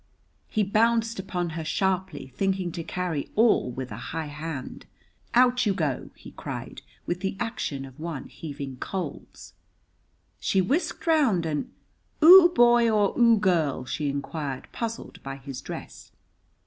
He bounced upon her sharply, thinking to carry all with a high hand. "Out you go!" he cried, with the action of one heaving coals. She whisked round, and, "Oo boy or oo girl?" she inquired, puzzled by his dress.